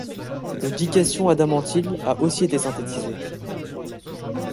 Le dication adamantyle a aussi été synthétisé.